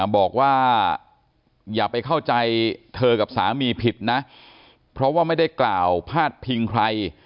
บอกว่าอย่าไปเข้าใจเธอกับสามีผิดนะเพราะว่าไม่ได้กล่าวพาดพิงใคร